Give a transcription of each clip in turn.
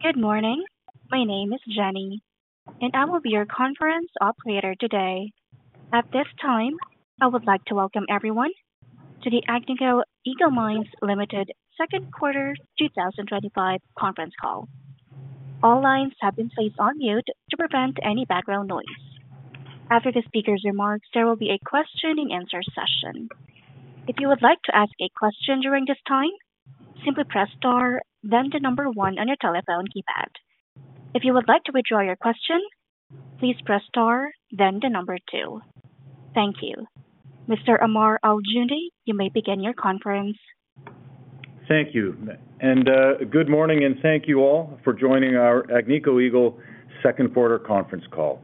Good morning. My name is Jenny, and I will be your conference operator today. At this time, I would like to welcome everyone to the Agnico Eagle Mines Limited Second Quarter twenty twenty five Conference Call. All lines have been placed on mute to prevent any background noise. After the speakers' remarks, there will be a question and answer session. You. Mr. Amar Aljouni, you may begin your conference. Thank you, and good morning, and thank you all for joining our Agnico Eagle second quarter conference call.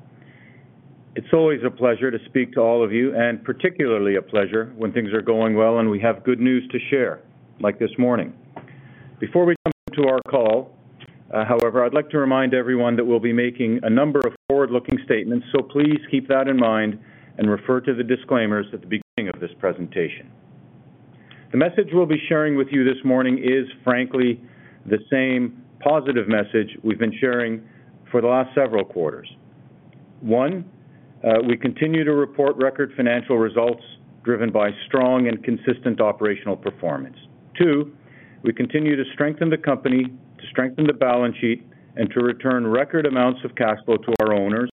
It's always a pleasure to speak to all of you and particularly a pleasure when things are going well and we have good news to share, like this morning. Before we come to our call, however, I'd like to remind everyone that we'll be making a number of forward looking statements, so please keep that in mind and refer to the disclaimers at the beginning of this presentation. The message we'll be sharing with you this morning is frankly the same positive message we've been sharing for the last several quarters. One, we continue to report record financial results driven by strong and consistent operational performance. Two, we continue to strengthen the company, to strengthen the balance sheet and to return record amounts of cash flow to our owners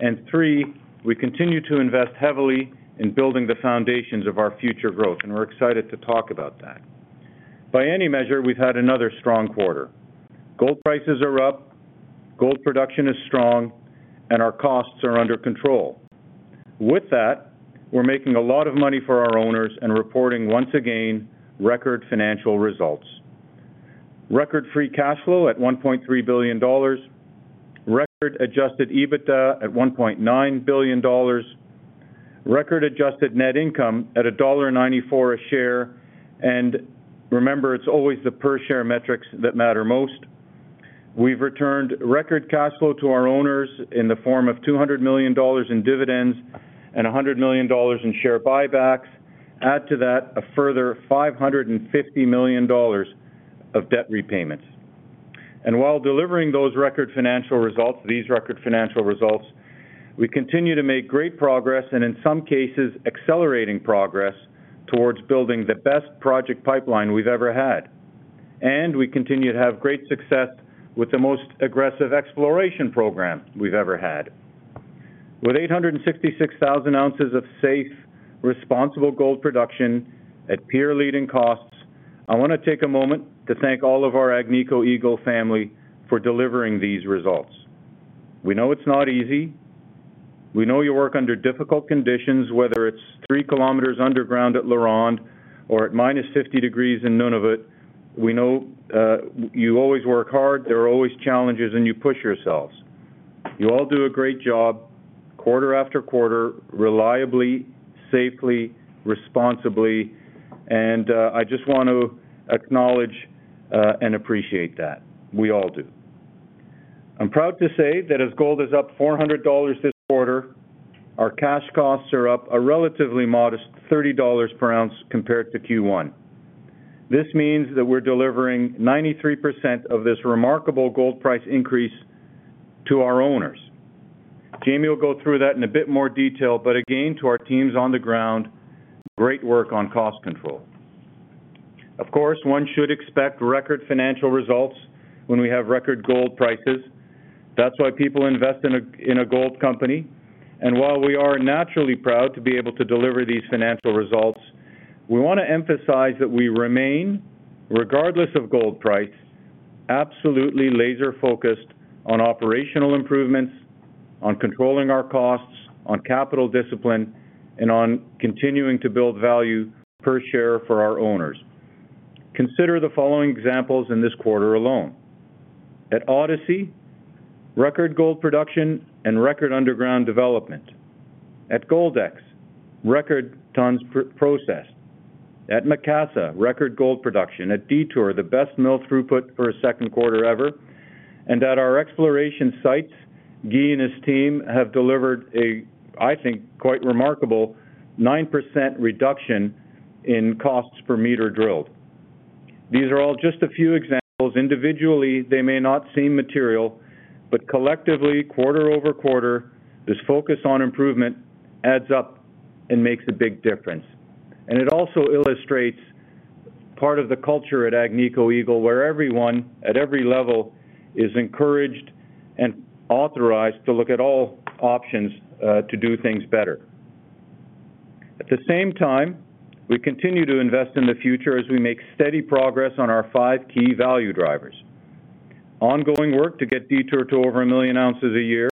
and three, we continue to invest heavily in building the foundations of our future growth, and we're excited to talk about that. By any measure, we've had another strong quarter. Gold prices are up, gold production is strong, and our costs are under control. With that, we're making a lot of money for our owners and reporting once again record financial results. Record free cash flow at $1,300,000,000 record adjusted EBITDA at $1,900,000,000 record adjusted net income at $1.94 a share, and remember, it's always the per share metrics that matter most. We've returned record cash flow to our owners in the form of $200,000,000 in dividends and $100,000,000 in share buybacks, add to that a further $550,000,000 of debt repayments. And while delivering those record financial results these record financial results, we continue to make great progress and in some cases, accelerating progress towards building the best project pipeline we've ever had. And we continue to have great success with the most aggressive exploration program we've ever had. With 866,000 ounces of safe, responsible gold production at peer leading costs, I want to take a moment to thank all of our Agnico Eagle family for delivering these results. We know it's not easy. We know you work under difficult conditions, whether it's three kilometers underground at Leronde or at minus 50 degrees in Nunavut. We know you always work hard, there are always challenges, and you push yourselves. You all do a great job quarter after quarter, reliably, safely, responsibly, and I just want to acknowledge and appreciate that. We all do. I'm proud to say that as gold is up $400 this quarter, our cash costs are up a relatively modest $30 per ounce compared to Q1. This means that we're delivering 93% of this remarkable gold price increase to our owners. Jamie will go through that in a bit more detail, but again, to our teams on the ground, great work on cost control. Of course, one should expect record financial results when we have record gold prices. That's why people invest in a gold company. And while we are naturally proud to be able to deliver these financial results, we want to emphasize that we remain, regardless of gold price, absolutely laser focused on operational improvements, on controlling our costs, on capital discipline, and on continuing to build value per share for our owners. Consider the following examples in this quarter alone. At Odyssey, record gold production and record underground development at Goldex, record tonnes processed at Macassa, record gold production at Detour, the best mill throughput for a second quarter ever And at our exploration sites, Guy and his team have delivered a, I think, quite remarkable nine percent reduction in costs per meter drilled. These are all just a few examples. Individually, they may not seem material, but collectively, quarter over quarter, this focus on improvement adds up and makes a big difference. And it also illustrates part of the culture at Agnico Eagle where everyone at every level is encouraged and authorized to look at all options to do things better. At the same time, we continue to invest in the future as we make steady progress on our five key value drivers: ongoing work to get Detour to over 1,000,000 ounces a year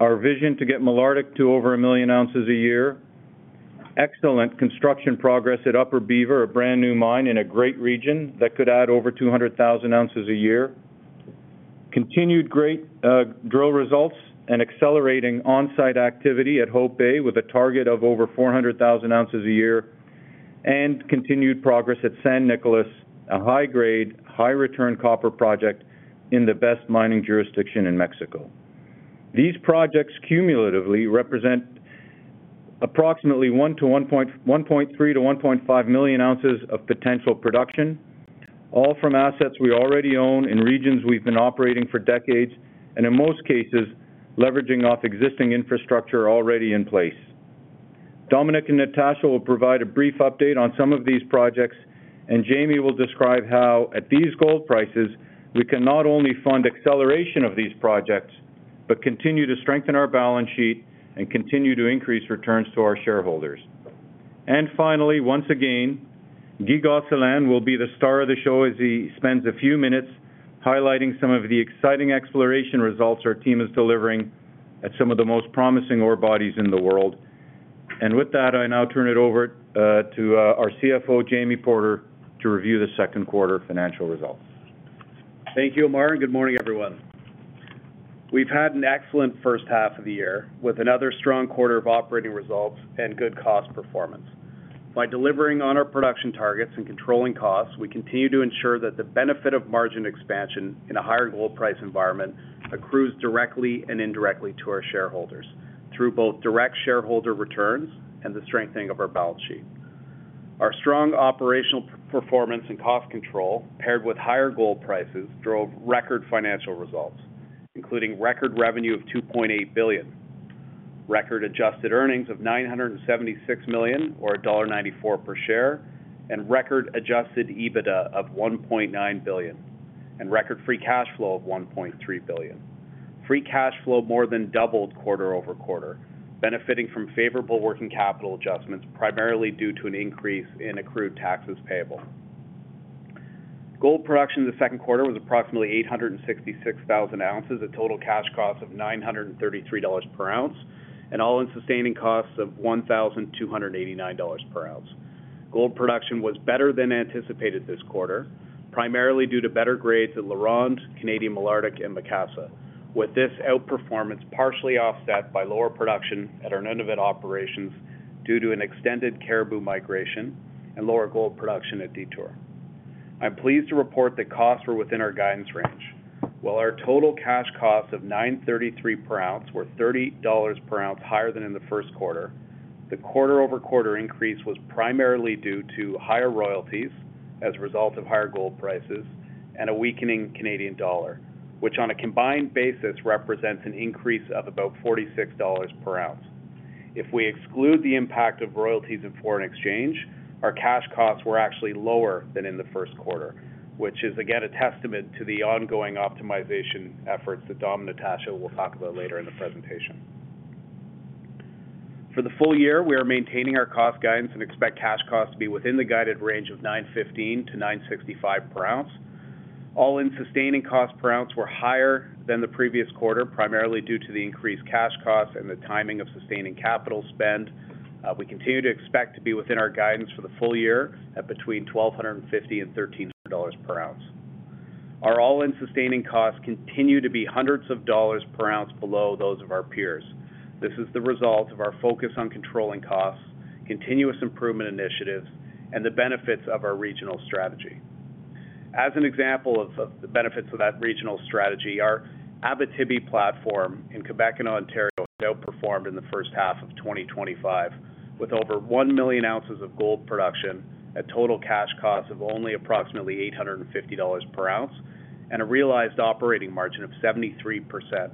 our vision to get Malartic to over 1,000,000 ounces a year excellent construction progress at Upper Beaver, a brand new mine in a great region that could add over 200,000 ounces a year, continued great drill results and accelerating on-site activity at Hope Bay with a target of over 400,000 ounces a year and continued progress at San Nicolas, a high grade, high return copper project in the best mining jurisdiction in Mexico. These projects cumulatively represent approximately 1,300,000 to 1,500,000 ounces of potential production, all from assets we already own in regions we've been operating for decades, and in most cases, leveraging off existing infrastructure already in place. Dominic and Natasha will provide a brief update on some of these projects, and Jamie will describe how, at these gold prices, we can not only fund acceleration of these projects, but continue to strengthen our balance sheet and continue to increase returns to our shareholders. And finally, once again, Guy Gausselin will be the star of the show as he spends a few minutes highlighting some of the exciting exploration results our team is delivering at some of the most promising ore bodies in the world. And with that, I now turn it over to our CFO, Jamie Porter, to review the second quarter financial results. Thank you, Omar, and good morning, everyone. We've had an excellent first half of the year with another strong quarter of operating results and good cost performance. By delivering on our production targets and controlling costs, we continue to ensure that the benefit of margin expansion in a higher gold price environment accrues directly and indirectly to our shareholders through both direct shareholder returns and the strengthening of our balance sheet. Our strong operational performance and cost control paired with higher gold prices drove record financial results, including record revenue of 2.8 billion, record adjusted earnings of 976 million or dollar 1.94 per share and record adjusted EBITDA of 1.9 billion and record free cash flow of 1.3 billion. Free cash flow more than doubled quarter over quarter, benefiting from favorable working capital adjustments, primarily due to an increase in accrued taxes payable. Gold production in the second quarter was approximately 866,000 ounces at total cash cost of $933 per ounce and all in sustaining costs of $12.89 dollars per ounce. Gold production was better than anticipated this quarter, primarily due to better grades at Laurent, Canadian Malartic and Macassa, with this outperformance partially offset by lower production at our Nunavut operations due to an extended Caribou migration and lower gold production at Detour. I'm pleased to report that costs were within our guidance range. While our total cash costs of $933 per ounce were $30 per ounce higher than in the first quarter, the quarter over quarter increase was primarily due to higher royalties as a result of higher gold prices and a weakening Canadian dollar, which on a combined basis represents an increase of about $46 per ounce. If we exclude the impact of royalties and foreign exchange, our cash costs were actually lower than in the first quarter, which is again a testament to the ongoing optimization efforts that Dom and Natasha will talk about later in the presentation. For the full year, we are maintaining our cost guidance and expect cash costs to be within the guided range of $9.15 to $965 per ounce. All in sustaining cost per ounce were higher than the previous quarter, primarily due to the increased cash costs and the timing of sustaining capital spend. We continue to expect to be within our guidance for the full year at between $12.50 dollars and $13 per ounce. Our all in sustaining costs continue to be hundreds of dollars per ounce below those of our peers. This is the result of our focus on controlling costs, continuous improvement initiatives and the benefits of our regional strategy. As an example of the benefits of that regional strategy, our Abitibi platform in Quebec and Ontario outperformed in the 2025 with over 1,000,000 ounces of gold production at total cash costs of only approximately $850 per ounce and a realized operating margin of 73%.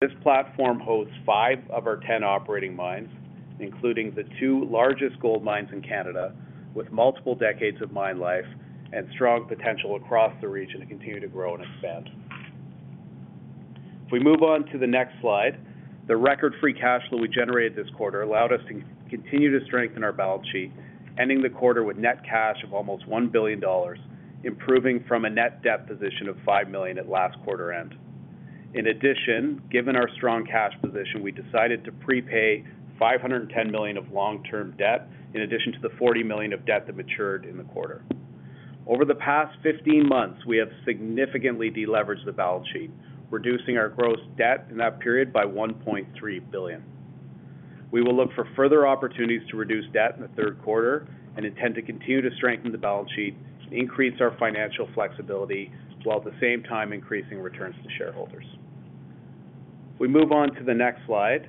This platform hosts five of our 10 operating mines, including the two largest gold mines in Canada with multiple decades of mine life and strong potential across the region to continue to grow and expand. If we move on to the next slide, the record free cash flow we generated this quarter allowed us to continue to strengthen our balance sheet, ending the quarter with net cash of almost 1 billion dollars, improving from a net debt position of 5 million at last quarter end. In addition, given our strong cash position, we decided to prepay 510 million of long term debt in addition to the 40 million of debt that matured in the quarter. Over the past fifteen months, we have significantly deleveraged the balance sheet, reducing our gross debt in that period by 1.3 billion. We will look for further opportunities to reduce debt in the third quarter and intend to continue to strengthen the balance sheet, increase our financial flexibility, while at the same time increasing returns to shareholders. If we move on to the next slide,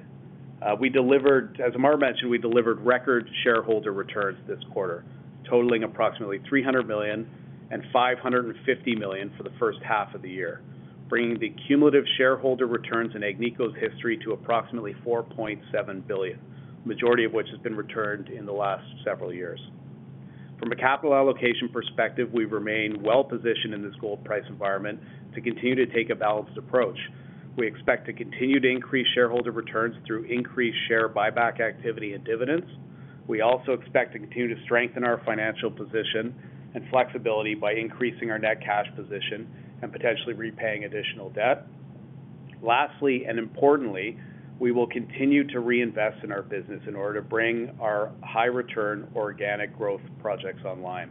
we delivered as Amart mentioned, we delivered record shareholder returns this quarter, totaling approximately 300 million and 550 million for the first half of the year, bringing the cumulative shareholder returns in Agnico's history to approximately 4.7 billion, majority of which has been returned in the last several years. From a capital allocation perspective, we remain well positioned in this gold price environment to continue to take a balanced approach. We expect to continue to increase shareholder returns through increased share buyback activity and dividends. We also expect to continue to strengthen our financial position and flexibility by increasing our net cash position and potentially repaying additional debt. Lastly and importantly, we will continue to reinvest in our business in order to bring our high return organic growth projects online.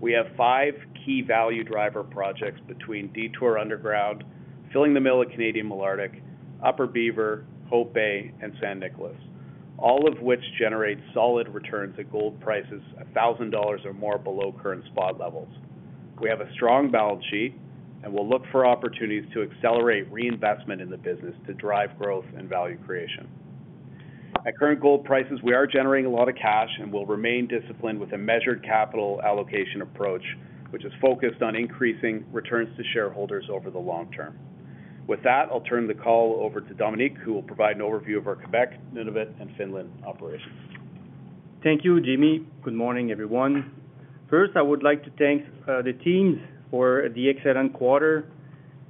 We have five key value driver projects between Detour Underground, filling the mill at Canadian Malartic, Upper Beaver, Hope Bay and San Nicolas, all of which generate solid returns at gold prices $1,000 or more below current spot levels. We have a strong balance sheet and we'll look for opportunities to accelerate reinvestment in the business to drive growth and value creation. At current gold prices, we are generating a lot of cash and will remain disciplined with a measured capital allocation approach, which is focused on increasing returns to shareholders over the long term. With that, I'll turn the call over to Dominique, who will provide an overview of our Quebec, Nunavut and Finland operations. Thank you, Jimmy. Good morning, everyone. First, I would like to thank the teams for the excellent quarter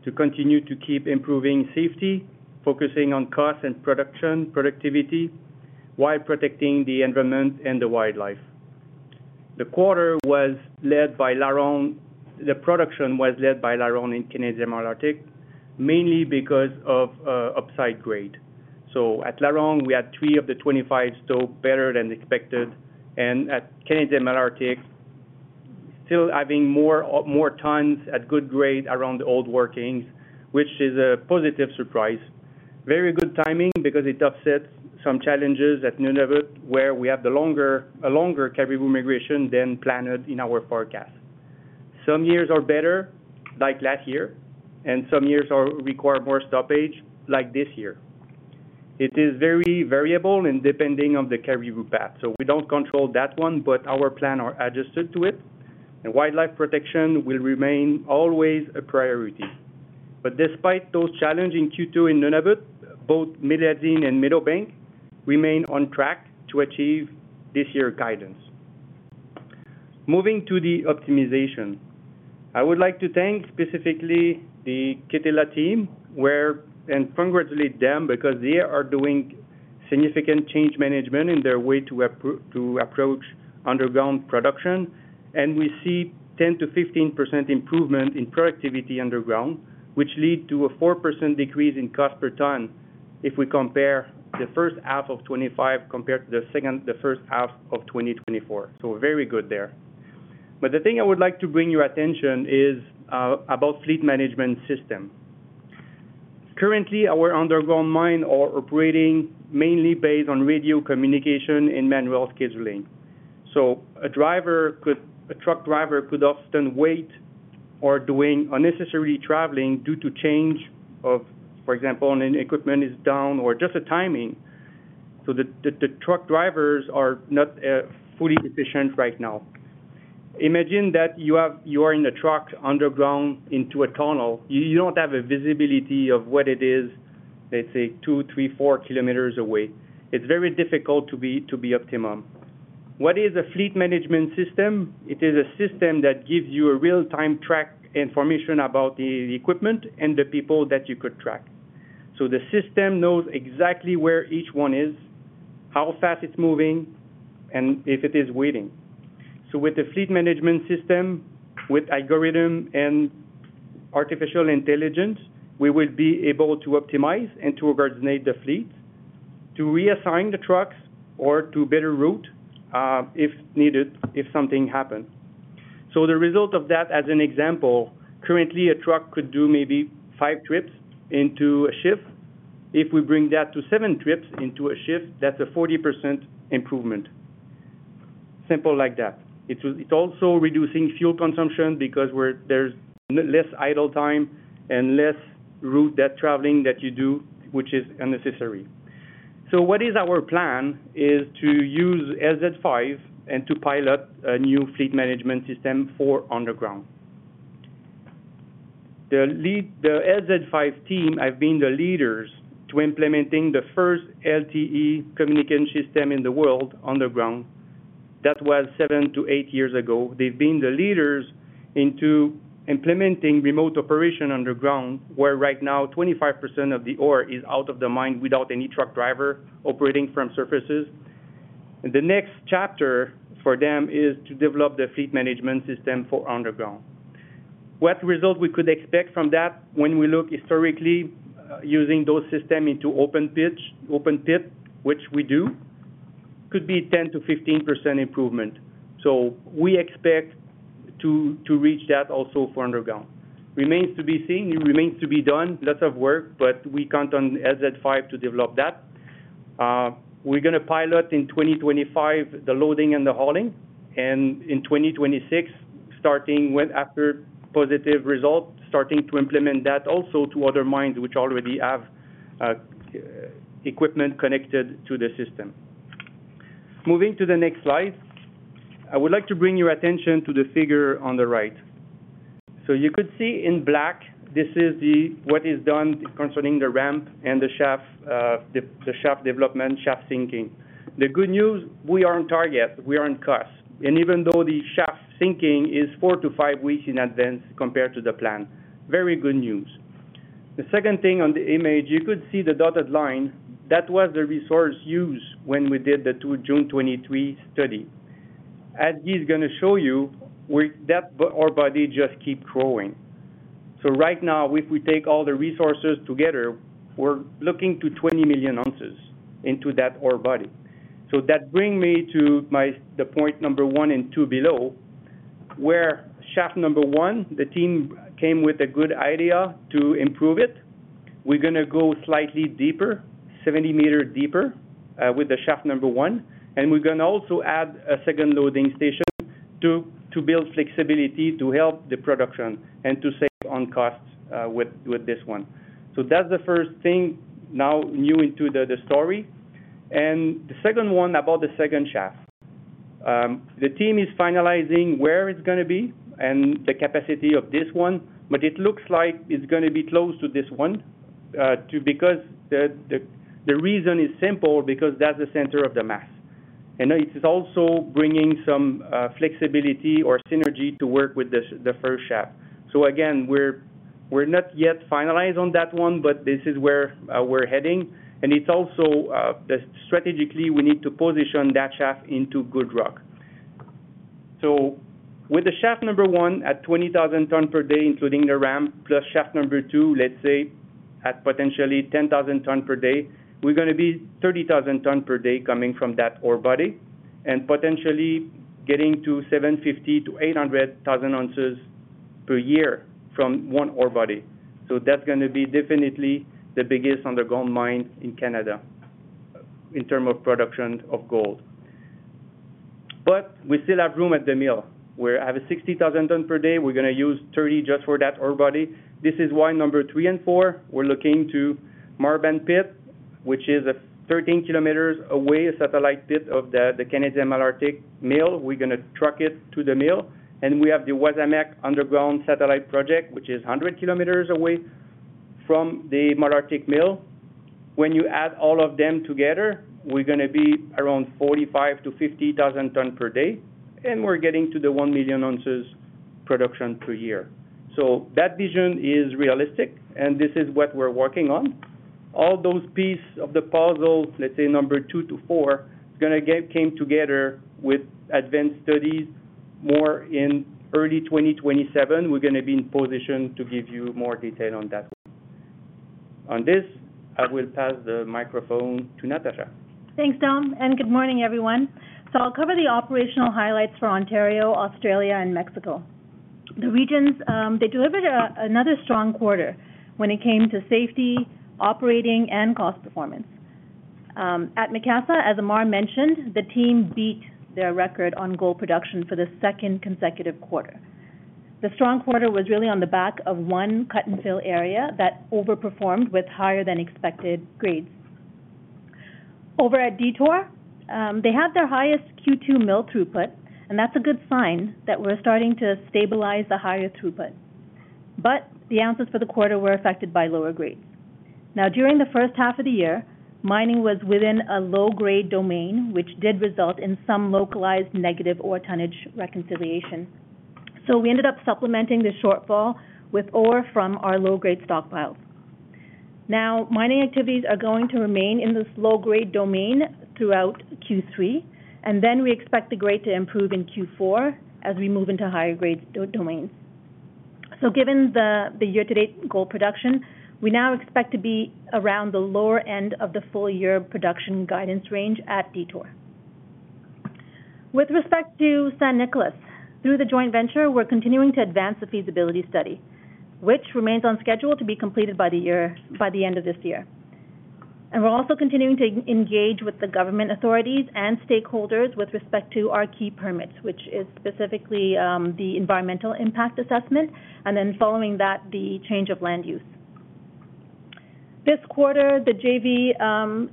to continue to keep improving safety, focusing on cost and production productivity while protecting the environment and the wildlife. The quarter was led by Laronde the production was led by Laronde in Canadian Malartic mainly because of upside grade. So at LaRonde we had three of the 25 stopes better than expected and at Canadian Malartic still having more tons at good grade around the old workings, which is a positive surprise. Very good timing because it offsets some challenges at Nunavut where we have a longer Caribou migration than planned in our forecast. Some years are better like last year and some years require more stoppage like this year. It is very variable and depending on the Cariboo path. So we don't control that one but our plan are adjusted to it and wildlife protection will remain always a priority. But despite those challenge in Q2 in Nunavut, both Medellin and Meadowbank remain on track to achieve this year guidance. Moving to the optimization, I would like to thank specifically the Ketela team where and congratulate them because they are doing significant change management in their way to approach underground production and we see 10% to 15% improvement in productivity underground which lead to a 4% decrease in cost per ton if we compare the 2025 compared to the second the 2024. So very good there. But the thing I would like to bring your attention is about fleet management system. Currently our underground mines are operating mainly based on radio communication and manual scheduling. So a driver could a truck driver could often wait or doing unnecessary traveling due to change of for example, an equipment is down or just the timing. So the truck drivers are not fully efficient right now. Imagine that you are in a truck underground into a tunnel, you don't have a visibility of what it is, let's say two, three, four kilometers away. It's very difficult to be optimum. What is a Fleet Management System? It is a system that gives you a real time track information about the equipment and the people that you could track. So the system knows exactly where each one is, how fast it's moving and if it is waiting. So with the fleet management system, with algorithm and artificial intelligence, we will be able to optimize and to coordinate the fleet to reassign the trucks or to better route if needed if something happens. So the result of that as an example, currently a truck could do maybe five trips into a shift. If we bring that to seven trips into a shift that's a 40% improvement. Simple like that. It's also reducing fuel consumption because there's less idle time and less route traveling that you do which is unnecessary. So what is our plan is to use SZ-five and to pilot a new fleet management system for underground. The LZ5 team have been the leaders to implementing the first LTE communication system in the world underground. That was seven to eight years ago. They've been the leaders into implementing remote operation underground where right now 25% of the ore is out of the mine without any truck driver operating from surfaces. The next chapter for them is to develop the fleet management system for underground. What result we could expect from that when we look historically using those system into open pit, which we do, could be 10% to 15% improvement. So we expect to reach that also for underground. Remains to be seen, it remains to be done, lots of work, but we count on SZ-five to develop that. We're going to pilot in 2025 the loading and the hauling and in 2026 starting with after positive results starting to implement that also to other mines which already have equipment connected to the system. Moving to the next slide, I would like to bring your attention to the figure on the right. So you could see in black, this is what is done concerning the ramp and the shaft development, shaft sinking. The good news, we are on target, we are on cost. And even though the shaft sinking is four to five weeks in advance compared to the plan, very good news. The second thing on the image, you could see the dotted line that was the resource used when we did the June 2023 study. As he is going to show you that ore body just keep growing. So right now if we take all the resources together, we're looking to 20,000,000 ounces into that ore body. So that bring me to the point number one and two below where shaft number one, the team came with a good idea to improve it. We're going to go slightly deeper, 70 meters deeper with the shaft number one and we're going to also add a second loading station to build flexibility to help the production and to save on costs with this one. So that's the first thing now new into the story. And the second one about the second shaft, the team is finalizing where it's going to be and the capacity of this one, but it looks like it's going to be close to this one too because the reason is simple because that's the center of the mass. And it is also bringing some flexibility or synergy to work with the first shaft. So again, we're not yet finalized on that one, but this is where we're heading. And it's also strategically we need to position that shaft into good rock. So with the shaft number one at 20,000 ton per day including the ramp plus shaft number two, let's say at potentially 10,000 tons per day, we're going to be 30,000 tons per day coming from that ore body and potentially getting to 750,000 to 800,000 ounces per year from one ore body. So that's going to be definitely the biggest underground mine in Canada in terms of production of gold. But we still have room at the mill. Have 60,000 tons per day, we're going to use 30 just for that ore body. This is why number three and four, we're looking to Marban Pit which is 13 kilometers away satellite pit of the Canadian Malartic Mill. We're to truck it to the mill and we have the Wazamac underground satellite project which is 100 kilometers away from the Malartic Mill. When you add all of them together, we're going to be around 45,000 to 50,000 ton per day and we're getting to the 1,000,000 ounces production per year. So that vision is realistic and this is what we're working on. All those piece of the puzzle, let's say number two to four, it's going to get came together with advanced studies more in early twenty twenty seven, we're going to be in position to give you more detail on that. On this, I will pass the microphone to Natasha. Thanks Tom and good morning everyone. So I'll cover the operational highlights for Ontario, Australia and Mexico. The regions, they delivered another strong quarter when it came to safety, operating and cost performance. At Macassa, as Amar mentioned, the team beat their record on gold production for the second consecutive quarter. The strong quarter was really on the back of one cut and fill area that overperformed with higher than expected grades. Over at Detour, they have their highest Q2 mill throughput, and that's a good sign that we're starting to stabilize the higher throughput. But the ounces for the quarter were affected by lower grades. Now during the first half of the year, mining was within a low grade domain, which did result in some localized negative ore tonnage reconciliation. So we ended up supplementing the shortfall with ore from our low grade stockpiles. Now mining activities are going to remain in this low grade domain throughout Q3, and then we expect the grade to improve in Q4 as we move into higher grade domains. So given the year to date gold production, we now expect to be around the lower end of the full year production guidance range at Detour. With respect to San Nicolas, through the joint venture, we're continuing to advance the feasibility study, which remains on schedule to be completed by the year by the end of this year. And we're also continuing to engage with the government authorities and stakeholders respect to our key permits, which is specifically the environmental impact assessment, and then following that, the change of land use. This quarter, the JV,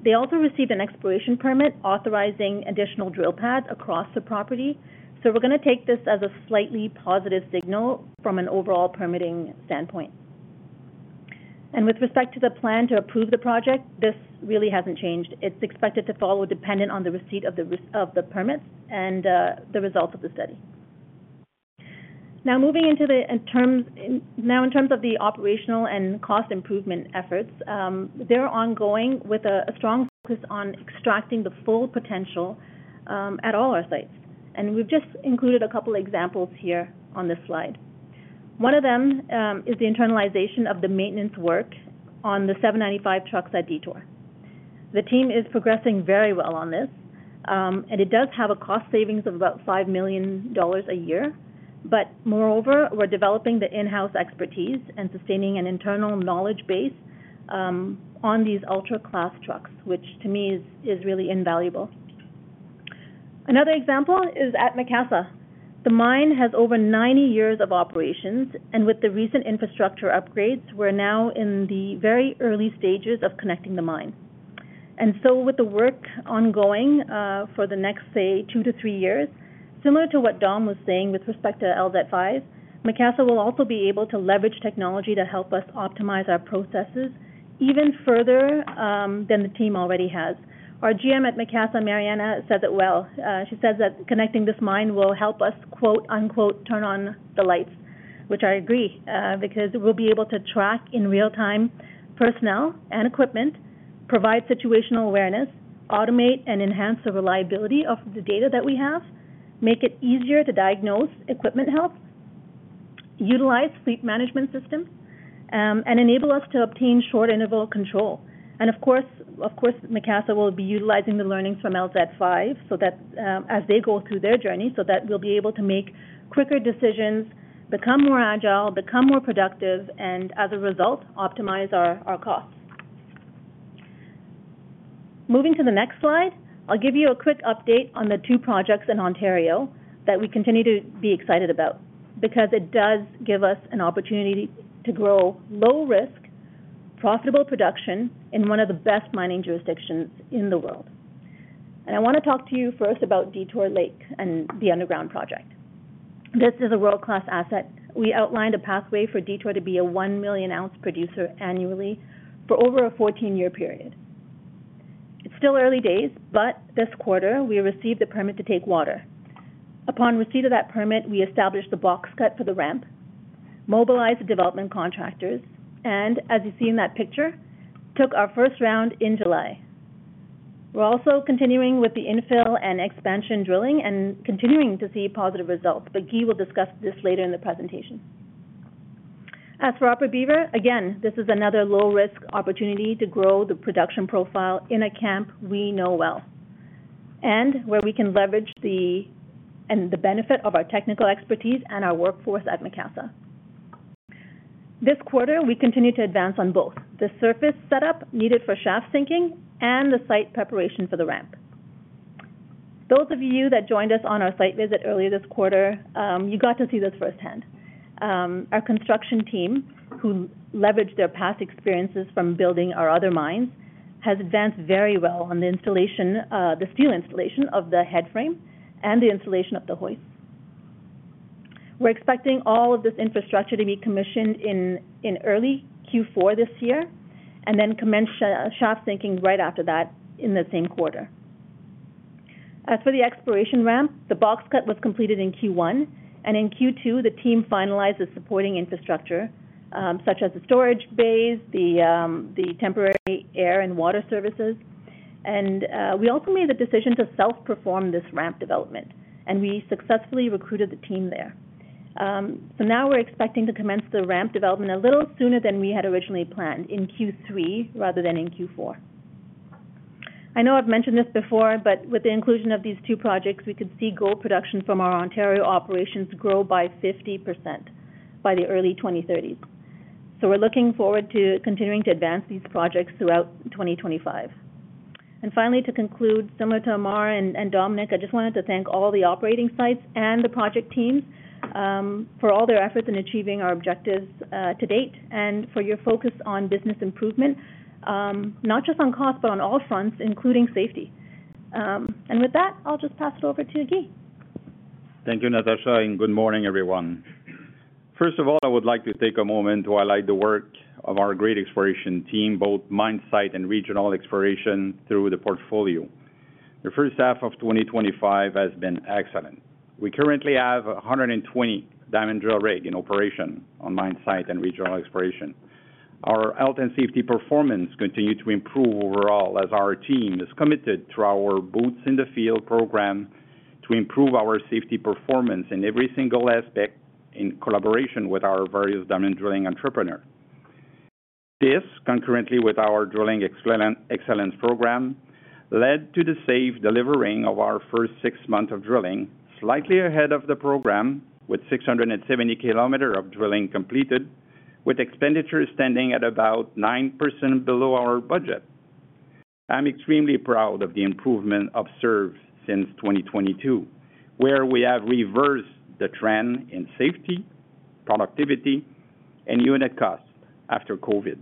they also received an exploration permit authorizing additional drill pads across the property, so we're going to take this as a slightly positive signal from an overall permitting standpoint. And with respect to the plan to approve the project, this really hasn't changed. It's expected to follow dependent on the receipt of the permits and the results of the study. Now in terms of the operational and cost improvement efforts, they're ongoing with a strong focus on extracting the full potential at all our sites. And we've just included a couple examples here on this slide. One of them is the internalization of the maintenance work on the seven ninety five trucks at Detour. The team is progressing very well on this, and it does have a cost savings of about $5,000,000 a year. But moreover, we're developing the in house expertise and sustaining an internal knowledge base on these ultra class trucks, which to me is really invaluable. Another example is at Macassa. The mine has over ninety years of operations, and with the recent infrastructure upgrades, we're now in the very early stages of connecting the mine. And so with the work ongoing for the next, say, two to three years, similar to what Dom was saying with respect to LZET5, Macassa will also be able to leverage technology to help us optimize our processes even further than the team already has. Our GM at Macassa, Marianna, said that well. She says that connecting this mine will help us turn on the lights, which I agree, because we'll be able to track in real time personnel and equipment, provide situational awareness, automate and enhance the reliability of the data that we have, make it easier to diagnose equipment health, utilize sleep management systems, and enable us to obtain short interval control. And course, Macassa will be utilizing the learnings from LZ5 so that as they go through their journey, that we'll be able to make quicker decisions, become more agile, become more productive, and as a result, optimize our costs. Moving to the next slide, I'll give you a quick update on the two projects in Ontario that we continue to be excited about, because it does give us an opportunity to grow low risk, profitable production in one of the best mining jurisdictions in the world. And I want to talk to you first about Detour Lake and the underground project. This is a world class asset. We outlined a pathway for Detour to be a 1,000,000 ounce producer annually for over a fourteen year period. It's still early days, but this quarter, we received a permit to take water. Upon receipt of that permit, we established the box cut for the ramp, mobilized the development contractors, and as you see in that picture, took our first round in July. We're also continuing with the infill and expansion drilling and continuing to see positive results, but Guy will discuss this later in the presentation. As for Upper Beaver, again, this is another low risk opportunity to grow the production profile in a camp we know well and where we can leverage the benefit of our technical expertise and our workforce at Macassa. This quarter, we continued to advance on both, the surface setup needed for shaft sinking and the site preparation for the ramp. Those of you that joined us on our site visit earlier this quarter, you got to see this firsthand. Our construction team, who leveraged their past experiences from building our other mines, has advanced very well on the installation the steel installation of the head frame and the installation of the hoist. We're expecting all of this infrastructure to be commissioned in early Q4 this year and then commence shaft sinking right after that in the same quarter. As for the exploration ramp, the box cut was completed in Q1. And in Q2, the team finalized the supporting infrastructure, such as the storage bays, the temporary air and water services. And we also made the decision to self perform this ramp development, and we successfully recruited the team there. So now we're expecting to commence the ramp development a little sooner than we had originally planned, in Q3 rather than in Q4. I know I've mentioned this before, but with the inclusion of these two projects, we could see gold production from our Ontario operations grow percent by the early 2030s. So we're looking forward to continuing to advance these projects throughout 2025. And finally, to conclude, similar to Amar and Dominic, I just wanted to thank all the operating sites and the project teams for all their efforts in achieving our objectives to date and for your focus on business improvement, not just on cost but on all fronts, including safety. And with that, I'll just pass it over to Thank you Natasha and good morning everyone. First of all I would like to take a moment to highlight the work of our great exploration team both mine site and regional exploration through the portfolio. The 2025 has been excellent. We currently have 120 diamond drill rigs in operation on mine site and regional exploration. Our health and safety performance continue to improve overall as our team is committed to our boots in the field program to improve our safety performance in every single aspect in collaboration with our various diamond drilling entrepreneurs. This concurrently with our drilling excellence program led to the safe delivering of our first six months of drilling slightly ahead of the program with six seventy kilometers of drilling completed with expenditures standing at about 9% below our budget. I am extremely proud of the improvement observed since 2022 where we have reversed the trend in safety, productivity and unit costs after COVID.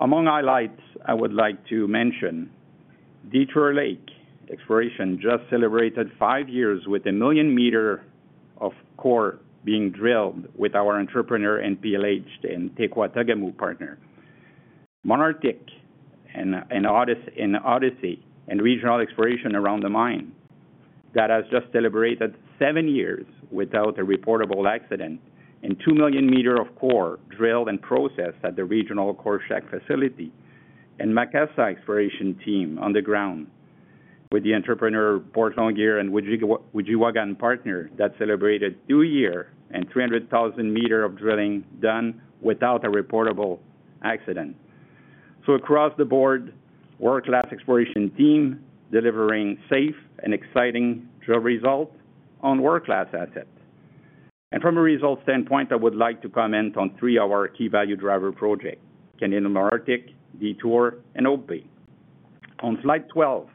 Among highlights I would like to mention, Detroit Lake exploration just celebrated five years with a million meter of core being drilled with our entrepreneur and PLH and Tequatagamu partner. Monarchic and Odyssey regional exploration around the mine that has just celebrated seven years without a reportable accident and 2,000,000 meters of core drilled and processed at the regional Korshak facility and Macassa exploration team on the ground with the entrepreneur Port Longyear and Ouijiwagand partner that celebrated two year and 300,000 meters of drilling done without a reportable accident. So across the board, world class exploration team delivering safe and exciting drill results on world class assets. And from a result standpoint, I would like to comment on three of our key value driver project: Canadian Malartic, Detour and Oak Bay. On slide 12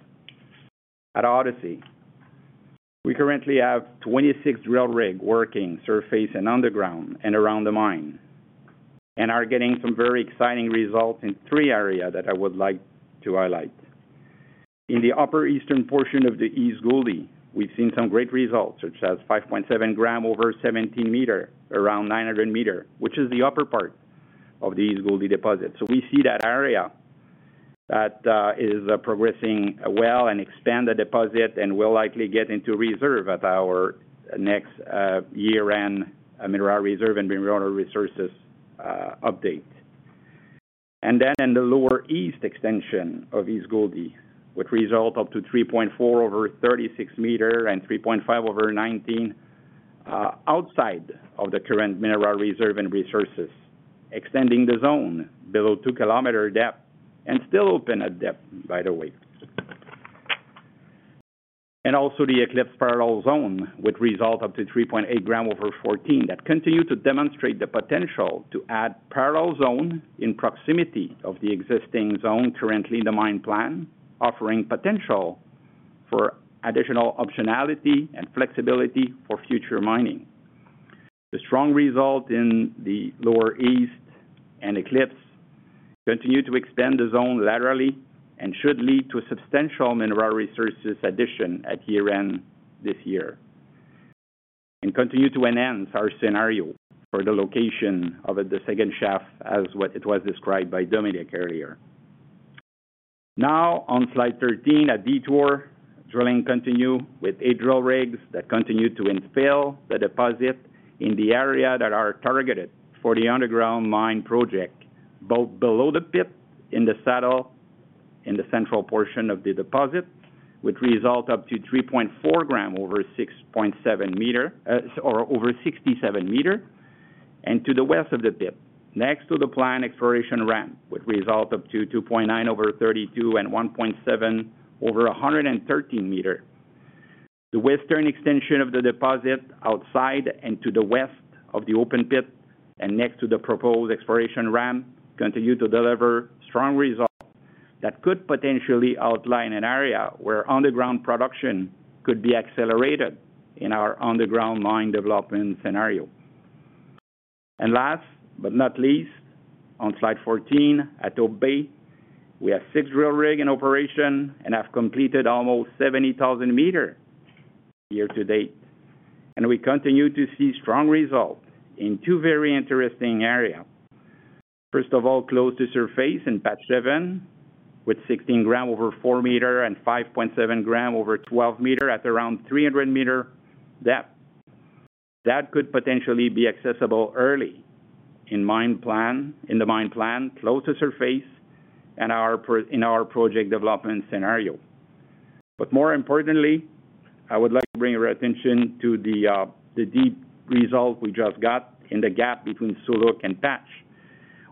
at Odyssey we currently have 26 drill rigs working surface and underground and around the mine and are getting some very exciting results in three areas that I would like to highlight. In the upper eastern portion of the East Gouldie we've seen some great results such as 5.7 grams over 17 meters around 900 meters which is the upper part of the East Gouldie deposit. We see that area that is progressing well and expand the deposit and will likely get into reserve at our next year end Mineral Reserve and Mineral Resources update. And then in the lower East extension of East Gouldie which result up to 3.4 over 36 meter and 3.5 over 19 outside of the current Mineral Reserve and Resources extending the zone below two kilometers depth and still open at depth by the way. And also the Eclipse Parallel Zone with result up to 3.8 grams over 14 that continue to demonstrate the potential to add parallel zones in proximity of the existing zone currently in the mine plan offering potential for additional optionality and flexibility for future mining. The strong result in the Lower East and Eclipse continue to extend the zone laterally and should lead to a substantial mineral resources addition at year end this year and continue to enhance our scenario for the location of the second shaft as what it was described by Dominique earlier. Now on slide 13, a detour, drilling continue with eight drill rigs that continue to infill the deposit in the area that are targeted for the underground mine project both below the pit in the saddle in the central portion of the deposit which result up to 3.4 grams over 67 meters and to the west of the pit next to the planned exploration ramp which result up to 2.9 over thirty two and one point seven over 113 meters. The western extension of the deposit outside and to the west of the open pit and next to the proposed exploration ramp continue to deliver strong results that could potentially outline an area where underground production could be accelerated in our underground mine development scenario. And last but not least, on slide 14, at Hope Bay, we have six drill rigs in operation and have completed almost 70,000 meters year to date and we continue to see strong results in two very interesting areas. First of all close to surface in Patch 7 with 16 grams over four meter and 5.7 grams over 12 meter at around 300 meter depth that could potentially be accessible early in the mine plan, close to surface, and in our project development scenario. But more importantly, I would like to bring your attention to the deep result we just got in the gap between Suluk and Patch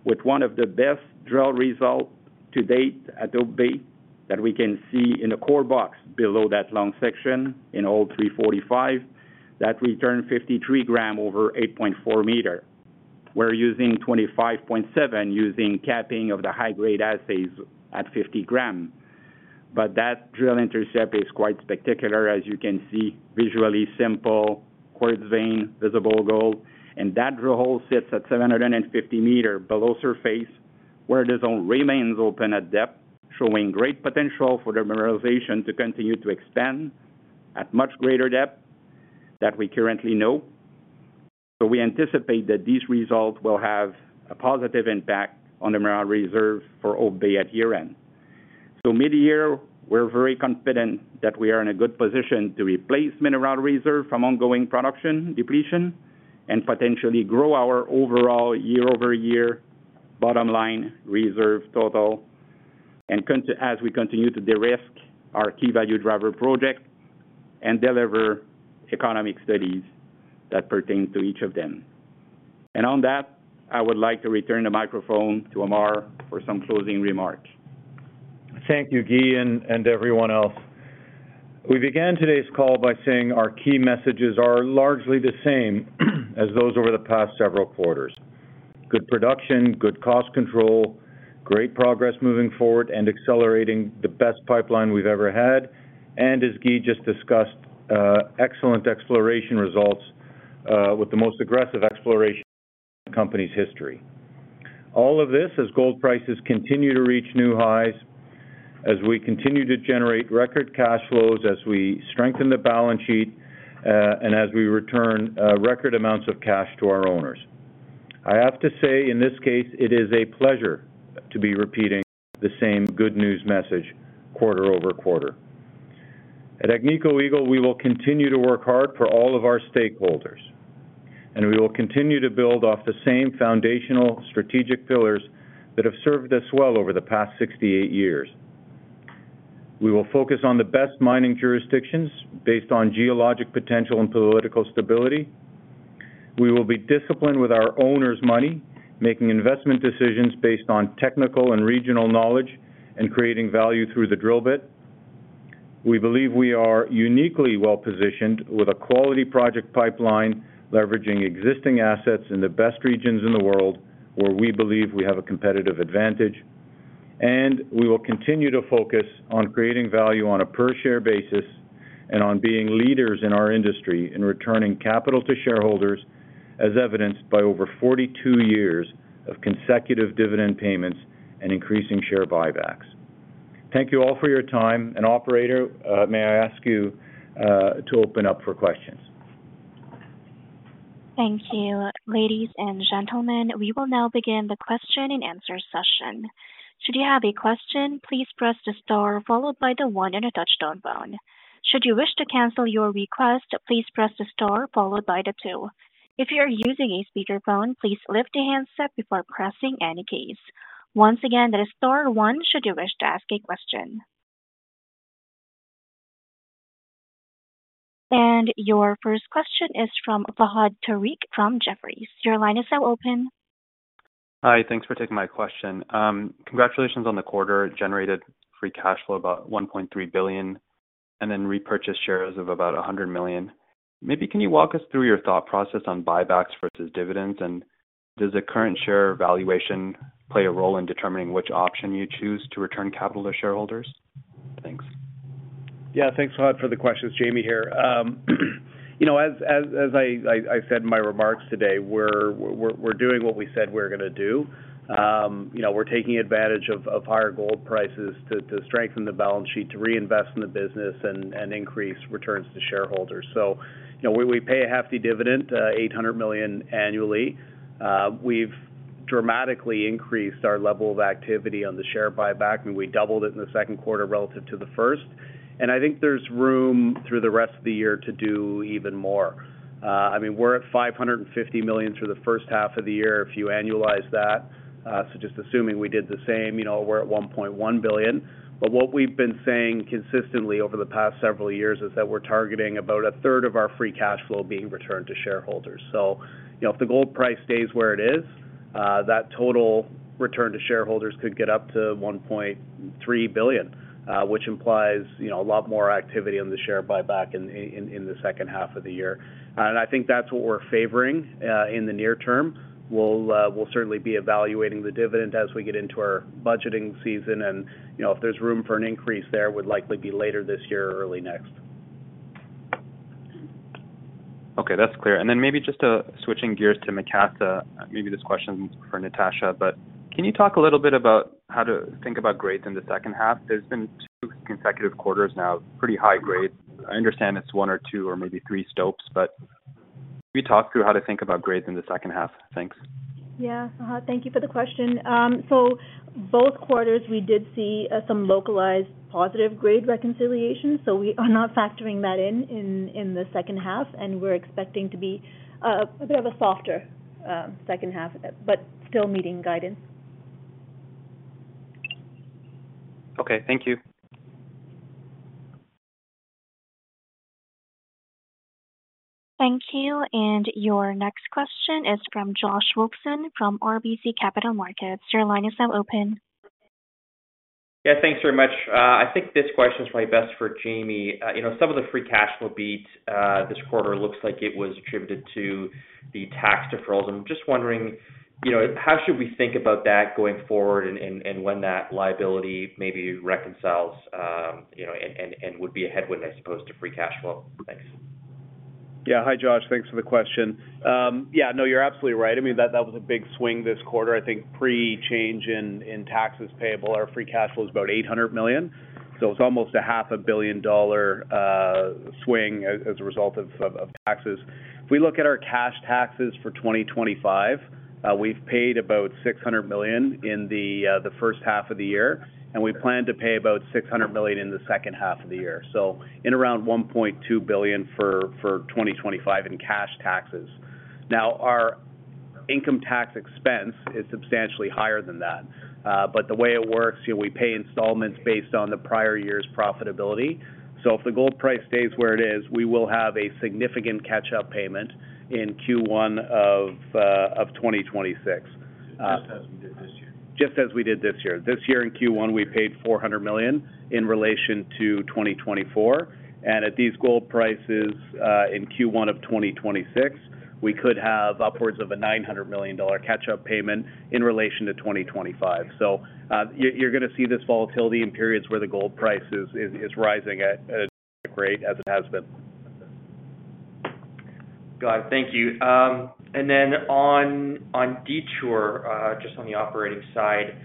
with one of the best drill results to date at the bay that we can see in the core box below that long section in Hole 345 that returned 53 grams over 8.4 meter. We're using 25.7 using capping of the high grade assays at 50 grams but that drill intercept is quite spectacular as you can see visually simple quartz vein visible gold and that drill hole sits at seven fifty meter below surface where the zone remains open at depth showing great potential for the mineralization to continue to expand at much greater depth that we currently know. So we anticipate that these results will have a positive impact on the mineral reserve for Old Bay at year end. So mid year we're very confident that we are in a good position to replace mineral reserve from ongoing production depletion and potentially grow our overall year over year bottom line reserve total as we continue to de risk our key value driver project and deliver economic studies that pertain to each of them. And on that, I would like to return the microphone to Amar for some closing remarks. Thank you, Guy and everyone else. We began today's call by saying our key messages are largely the same as those over the past several quarters. Good production, good cost control, great progress moving forward and accelerating the best pipeline we've ever had, and as Guy just discussed, excellent exploration results with the most aggressive exploration in the company's history. All of this as gold prices continue to reach new highs, as we continue to generate record cash flows, as we strengthen the balance sheet and as we return record amounts of cash to our owners. I have to say, in this case, it is a pleasure to be repeating the same good news message quarter over quarter. At Agnico Eagle, we will continue to work hard for all of our stakeholders, and we will continue to build off the same foundational strategic pillars that have served us well over the past sixty eight years. We will focus on the best mining jurisdictions based on geologic potential and political stability. We will be disciplined with our owners' money, making investment decisions based on technical and regional knowledge and creating value through the drill bit. We believe we are uniquely well positioned with a quality project pipeline, leveraging existing assets in the best regions in the world where we believe we have a competitive advantage, and we will continue to focus on creating value on a per share basis and on being leaders in our industry in returning capital to shareholders as evidenced by over forty two years of consecutive dividend payments and increasing share buybacks. Thank you all for your time. And operator, may I ask you to open up for questions? Thank you. Ladies and gentlemen, we will now begin the question and answer session. And your first question is from Fahad Tariq from Jefferies. Congratulations on the quarter. It generated free cash flow of about $1,300,000,000 and then repurchased shares of about 100,000,000 Maybe can you walk us through your thought process on buybacks versus dividends? And does the current share valuation play a role in determining which option you choose to return capital to shareholders? Thanks. Yes. Thanks a lot for the questions. Jamie here. As I said in my remarks today, we're doing what we said we're going to do. We're taking advantage of higher gold prices to strengthen the balance sheet, to reinvest in the business and increase returns to shareholders. We pay a hefty dividend, dollars 800,000,000 annually. We've dramatically increased our level of activity on the share buyback and we doubled it in the second quarter relative to the first. And I think there's room through the rest of the year to do even more. I mean, we're at 550 million through the first half of the year if you annualize that. So just assuming we did the same, we're at 1.1 billion. But what we've been saying consistently over the past several years is that we're targeting about a third of our free cash flow being returned to shareholders. So if the gold price stays where it is, that total return to shareholders could get up to $1,300,000,000 which implies a lot more activity on the share buyback in the second half of the year. And I think that's what we're favoring in the near term. We'll certainly be evaluating the dividend as we get into our budgeting season. And if there's room for an increase there, it would likely be later this year or early next. Okay, that's clear. And then maybe just switching gears to Macassa, maybe this question is for Natasha, but can you talk a little bit about how to think about grades in the second half? There's been two consecutive quarters now, pretty high grade. I understand it's one or two or maybe three stopes, but can you talk through how to think about grades in the second half? Thanks. Yeah, thank you for the question. So both quarters we did see some localized positive grade reconciliations. So we are not factoring that in, in the second half, and we're expecting to be a bit of a softer second half, but still meeting guidance. Okay. Thank you. Thank you. And your next question is from Josh Wilkson from RBC Capital Markets. Your line is now open. Yes, thanks very much. I think this question is probably best for Jamie. Some of the free cash flow beat this quarter looks like it was attributed to the tax deferrals. I'm just wondering how should we think about that going forward and when that liability maybe reconciles and would be a headwind as opposed to free cash flow? Thanks. Hi, Josh. Thanks for the question. Yes, no, you're absolutely right. I mean, was a big swing this quarter. I think pre change in tax taxes payable, our free cash flow is about $800,000,000 So it's almost $05,000,000,000 swing as a result of taxes. If we look at our cash taxes for 2025, we've paid about $600,000,000 in the first half of the year and we plan to pay about $600,000,000 in the second half of the year. So in around 1,200,000,000 for 2025 in cash taxes. Now our income tax expense is substantially higher than that. But the way it works, we pay installments based on the prior year's profitability. So if the gold price stays where it is, we will have a significant catch up payment in 2026. Just as we did this year. This year in Q1, we paid $400,000,000 in relation to 2024. And at these gold prices in 2026, we could have upwards of a $900,000,000 catch up payment in relation to 2025. So you're going to see this volatility in periods where the gold price is rising at a great as it has been. Got it. Thank you. And then on Detour, just on the operating side,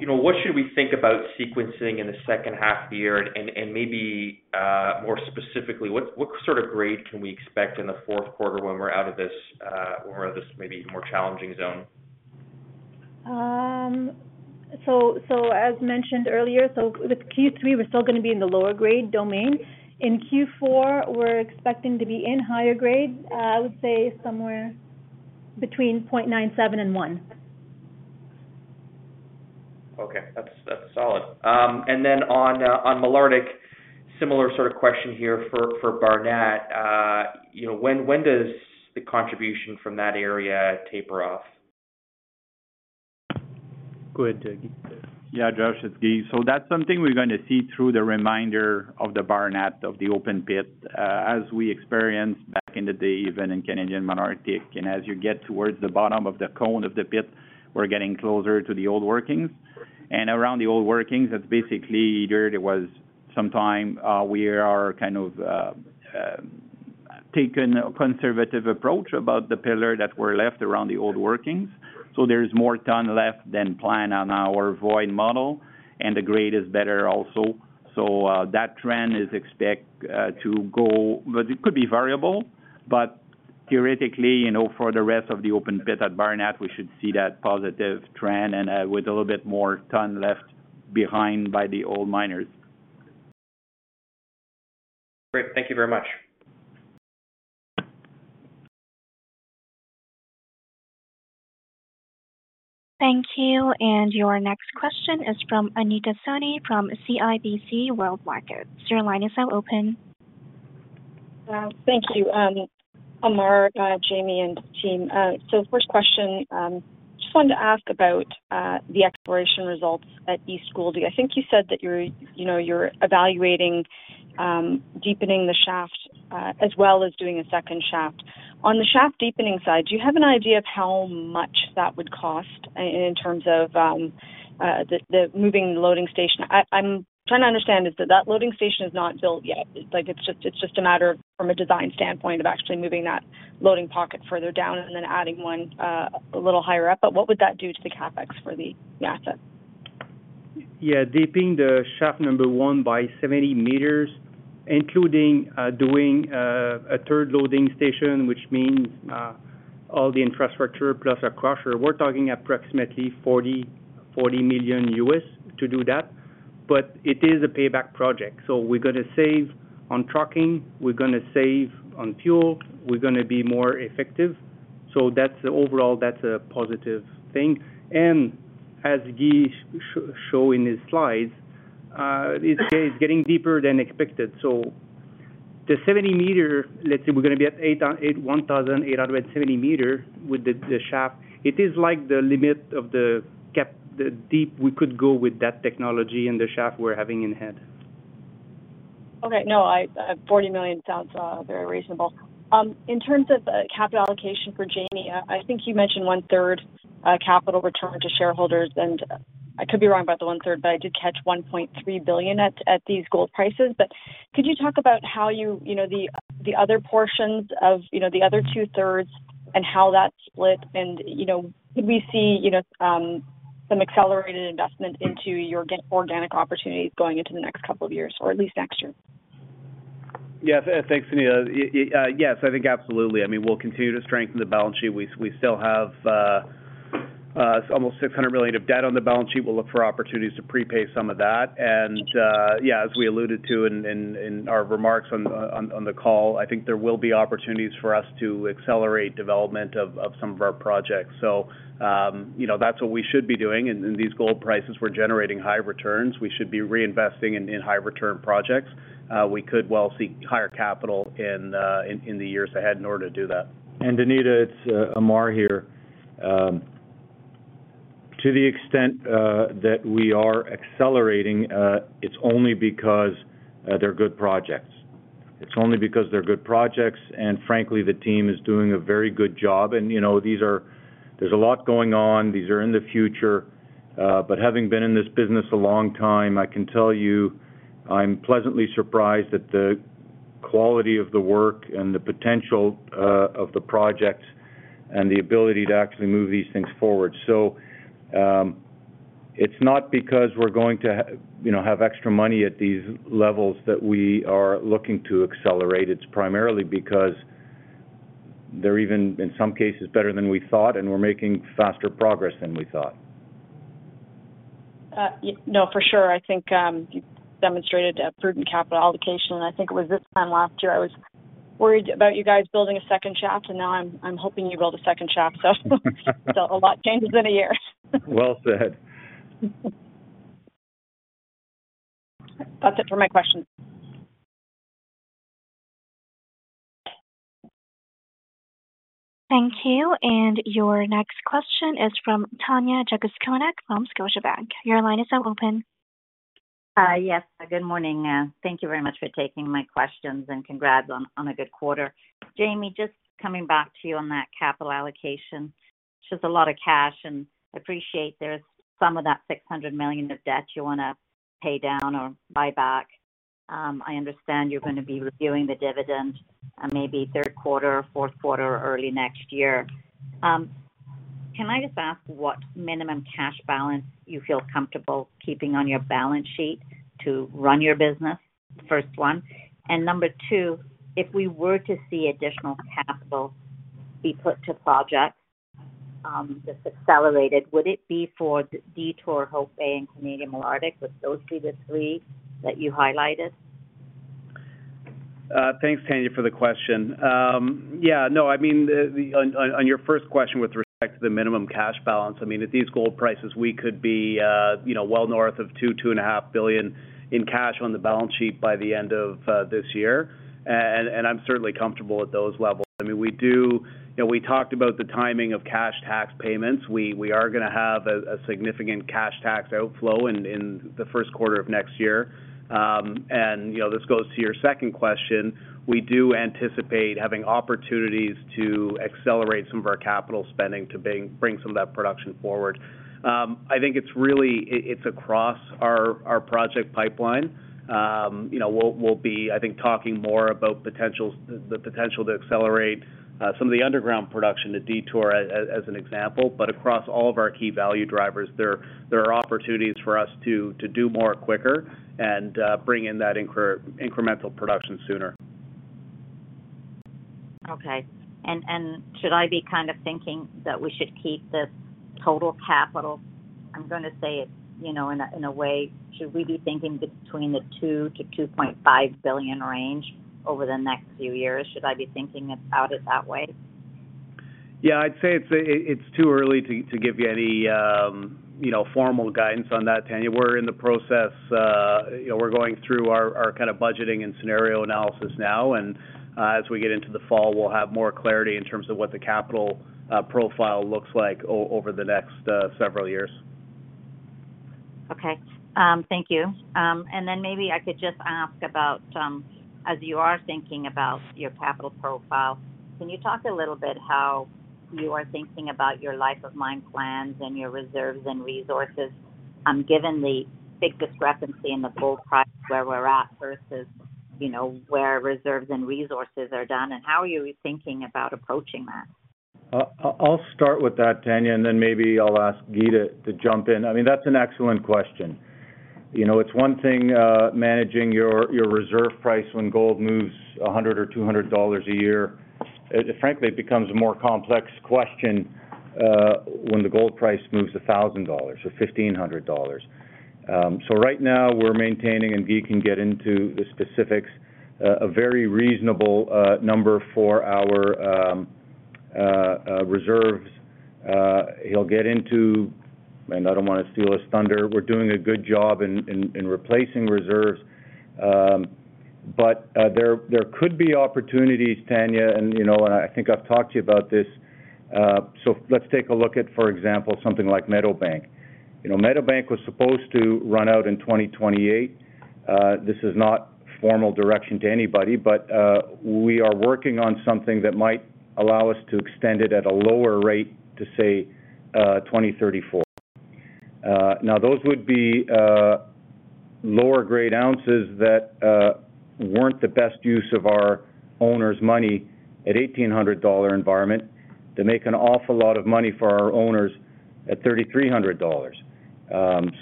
what should we think about sequencing in the second half of the year and maybe more specifically, what sort of grade can we expect in the fourth quarter when we're out of this maybe more challenging zone? So as mentioned earlier, so with Q3, we're still going to be in the lower grade domain. In Q4, we're expecting to be in higher grade, I would say somewhere between 0.971. Okay, that's solid. And then on Malartic, similar sort of question here for Barnat. When does the contribution from that area taper off? Ahead, Gis. Yeah, Josh, it's Gis. So that's something we're going to see through the remainder of the Barnat of the open pit as we experienced back in the day even in Canadian Malartic. And as you get towards the bottom of the cone of the pit, we're getting closer to the old workings. And around the old workings, it's basically there was some time we are kind of taking a conservative approach about the pillars that were left around the old workings. So there's more tonne left than planned on our void model and the grade is better also. So that trend is expected to go, but it could be variable. But theoretically, for the rest of the open pit at Barnat, we should see that positive trend and with a little bit more ton left behind by the old miners. Great. Thank you very much. Thank you. And your next question is from Anita Soni from CIBC World Markets. Your line is now open. Thank you, Amar, Jamie and team. So first question, just wanted to ask about the exploration results at East Gouldie. I think you said that you're evaluating deepening the shaft as well as doing a second shaft. On the shaft deepening side, do you have an idea of how much that would cost in terms of the the moving loading station? I I'm trying to understand is that loading station is not built yet. It's just a matter from a design standpoint of actually moving that loading pocket further down and then adding one a little higher up. But what would that do to the CapEx for the asset? Dipping the shaft number one by 70 meters including doing a third loading station, which means all the infrastructure plus our crusher, we're talking approximately million to do that. But it is a payback project. So we're going to save on trucking, we're going to save on fuel, we're going to be more effective. So that's overall, that's a positive thing. And as Guy show in his slides, it's getting deeper than expected. The 70 meter, let's say we're going be at eighteen seventy meter with the shaft, It is like the limit of the depth we could go with that technology and the shaft we're having in hand. Okay. No, dollars 40,000,000 sounds very reasonable. In terms of capital allocation for Janie, I think you mentioned one third capital return to shareholders. And I could be wrong about the one third, I did catch 1,300,000,000.0 at at these gold prices. But could you talk about how you you know, the the other portions of, you know, the other two thirds and how that split and we see some accelerated investment into your organic opportunities going into the next couple of years or at least next year? Yes. Thanks, Sunil. Yes, I think absolutely. I mean, we'll continue to strengthen the balance sheet. We still have almost $600,000,000 of debt on the balance sheet. We'll look for opportunities to prepay some of that. And yes, as we alluded to in our remarks on the call, I think there will be opportunities for us to accelerate development of some of our projects. That's what we should be doing. In these gold prices, we're generating high returns. We should be reinvesting in high return projects. We could well seek higher capital in the years ahead in order to do that. And Anita, it's Amar here. To the extent that we are accelerating, it's only because they're good projects. It's only because they're good projects, and frankly, the team is doing a very good job. And these are there's a lot going on. These are in the future. But having been in this business a long time, I can tell you I'm pleasantly surprised that the quality of the work and the potential of the project and the ability to actually move these things forward. So it's not because we're going to have extra money at these levels that we are looking to accelerate. It's primarily because they're even in some cases better than we thought and we're making faster progress than we thought. No, for sure. I think you demonstrated a prudent capital allocation and I think it was this time last year I was worried about you guys building a second shaft and now I'm hoping you build a second shaft so a lot changes in a year. Well said. That's it for my question. Thank you. And your next question is from Tanya Jakusconek from Scotiabank. Your line is now open. Yes. Good morning. Thank you very much for taking my questions and congrats on a good quarter. Jamie, just coming back to you on that capital allocation. It's just a lot of cash and appreciate there's some of that $600,000,000 of debt you want to pay down or buy back. I understand you're going to be reviewing the dividend maybe third quarter or fourth quarter or early next year. Can I just ask what minimum cash balance you feel comfortable keeping on your balance sheet to run your business? First one. And number two, if we were to see additional capital be put to project that's accelerated, would it be for Detour, Hope Bay, and Canadian Malartic, those three that you highlighted? Thanks, Tanya, the question. Yes, no, I mean, on your first question with respect to the minimum cash balance, I mean, these gold prices, we could be well north of $2.2500000000.0 dollars in cash on the balance sheet by the end of this year. And I'm certainly comfortable with those levels. I mean, we do we talked about the timing of cash tax payments. We are going to have a significant cash tax outflow in the first quarter of next year. And this goes to your second question, we do anticipate having opportunities to accelerate some of our capital spending to bring some of that production forward. I think it's really it's across our project pipeline. We'll be, I think, talking more about potential the potential to accelerate some of the underground production to Detour as an example. But across all of our key value drivers, there are opportunities for us to do more quicker and bring in that incremental production sooner. Okay. And should I be kind of thinking that we should keep this total capital? I'm going to say it in a way, should we be thinking between the 2,000,000,000 to $2,500,000,000 range over the next few years? Should I be thinking about it that way? Yes, I'd say it's too early to give you any formal guidance on that, Tanya. We're in the process, we're going through our kind of budgeting and scenario analysis now. And as we get into the fall, we'll have more clarity in terms of what the capital profile looks like over the next several years. Okay. Thank you. And then maybe I could just ask about, as you are thinking about your capital profile, can you talk a little bit how you are thinking about your life of mine plans and your reserves and resources, given the big discrepancy in the gold price where we're at versus where reserves and resources are done, and how are you thinking about approaching that? I'll start with that, Tanya, and then maybe I'll ask Guy to jump in. I mean, that's an excellent question. It's one thing managing your reserve price when gold moves $100 or $200 a year. Frankly, it becomes a more complex question when the gold price moves $1,000 or $1,500 So right now we're maintaining and Guy can get into the specifics, a very reasonable number for our reserves. He'll get into, and I don't want to steal his thunder, we're doing a good job in replacing reserves, but there could be opportunities, Tanya, and I think I've talked to you about this. So let's take a look at, for example, something like Meadowbank. Meadowbank was supposed to run out in 2028. This is not formal direction to anybody, but we are working on something that might allow us to extend it at a lower rate to say 02/1934. Now those would be lower grade ounces that weren't the best use of our owners money at $1,800 environment, they make an awful lot of money for our owners at $3,300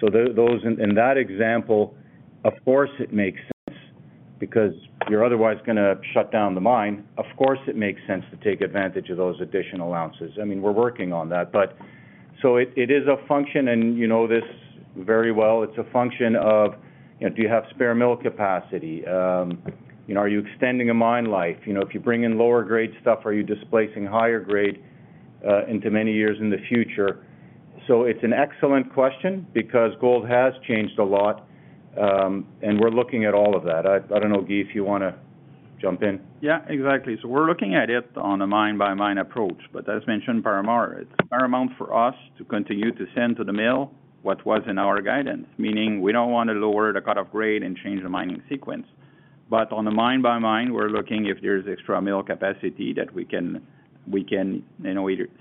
So those in that example, of course it makes sense because you're otherwise gonna shut down the mine. Of course it makes sense to take advantage of those additional ounces. I mean, we're working on that, but so it is a function and you know this very well, it's a function of do you have spare mill capacity? Are you extending a mine life? If you bring in lower grade stuff, are you displacing higher grade into many years in the future? So it's an excellent question because gold has changed a lot and we're looking at all of that. Don't know Guy if you want to jump in. Yeah, exactly. So we're looking at it on a mine by mine approach, but as mentioned, it's paramount for us to send to the mill what was in our guidance. Meaning, we don't want to lower the cutoff grade and change the mining sequence. But on the mine by mine, we're looking if there's extra mill capacity that we can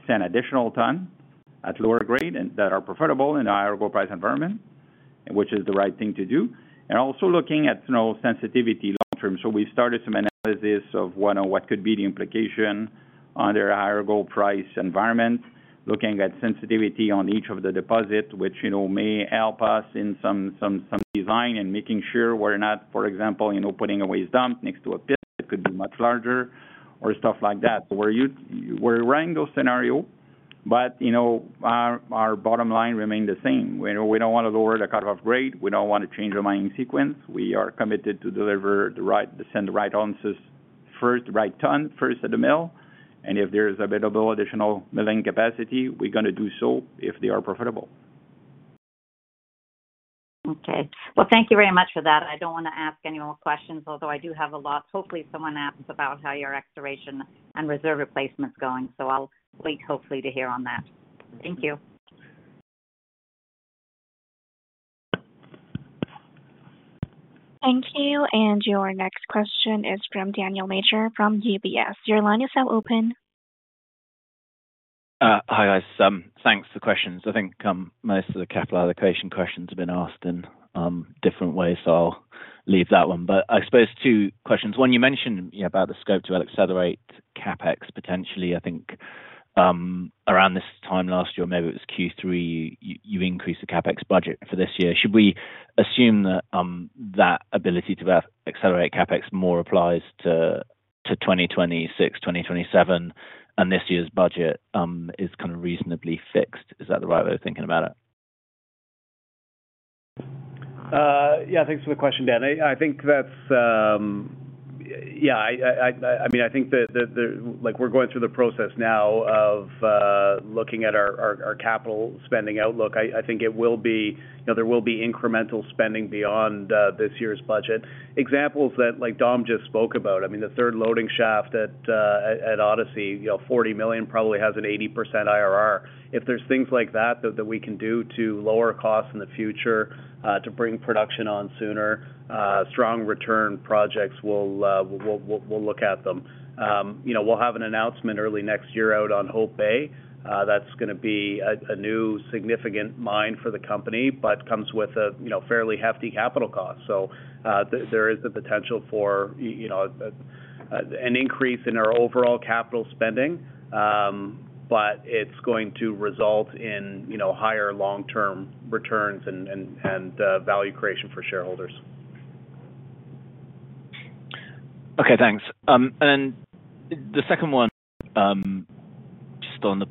send additional ton at lower grade and that are preferable in a higher gold price environment which is the right thing to do. And also looking at sensitivity long term. So we started some analysis of what could be the implication under a higher gold price environment. Looking at sensitivity on each of the deposits which may help us in some design and making sure we're not for example putting a waste dump next to a pit that could be much larger or stuff like that. Running those scenarios but our bottom line remains the same. We don't want to go over the cutoff grade. We don't want to change the mining sequence. We are committed to right ounces first, the right ton first at the mill. If there is available additional milling capacity, we're going to do so if they are profitable. Okay. Well, thank you very much for that. I don't want to ask any more questions, although I do have a lot. Hopefully, asked about how your expiration and reserve replacement is going. So I'll wait, hopefully, to hear on that. Thank you. Thank you. And your next question is from Daniel Major from UBS. Your line is now open. Hi, guys. Thanks for the questions. I think most of the capital allocation questions have been asked in different ways, so I'll leave that one. But I suppose two questions. One, you mentioned about the scope to accelerate CapEx potentially. Think around this time last year, maybe it was Q3, you increased the CapEx budget for this year. Should we assume that ability to accelerate CapEx more applies to 2026, 2027 and this year's budget is kind of reasonably fixed. Is that the right way of thinking about it? Yes. Thanks for the question, Dan. I think that's yes, I mean, think that like we're going through the process now of looking at our capital spending outlook. I think it will be there will be incremental spending beyond this year's budget. Examples that like Dom just spoke about, I mean, third loading shaft at Odyssey, dollars 40,000,000 probably has an 80% IRR. If there's things like that, that we can do to lower costs in the future to bring production on sooner, strong return projects, we'll look at them. We'll have an announcement early next year out on Hope Bay. That's going to be a new significant mine for the company, but comes with a fairly hefty capital cost. So there is the potential for an increase in our overall capital spending, but it's going to result in higher long term returns and value creation for shareholders. Okay, thanks. And then the second one, just on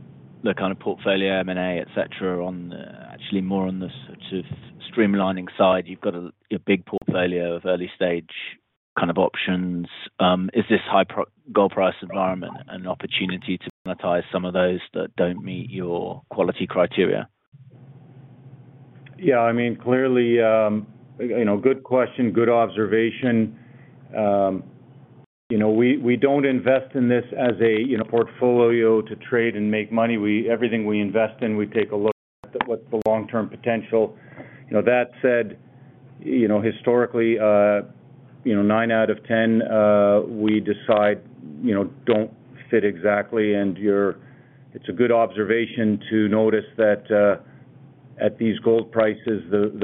the kind of portfolio M and A, etcetera, on actually more on the sort of streamlining side. You've got a big portfolio of early stage kind of options. Is this high gold price environment an opportunity to monetize some of those that don't meet your quality criteria? Yeah, I mean, clearly, good question, good observation. We don't invest in this as a portfolio to trade and make money. Everything we invest in, we take a look at what's the long term potential. That said, historically, nine out of 10 we decide don't fit exactly and it's a good observation to notice that at these gold prices,